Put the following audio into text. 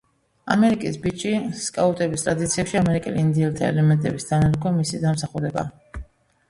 ამერიკის ბიჭი სკაუტების ტრადიციებში ამერიკელ ინდიელთა ელემენტების დანერგვა მისი დამსახურებაა.